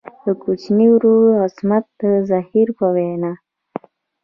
د کوچني ورور عصمت زهیر په وینا.